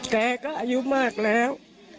แกก็อายุมากแล้ว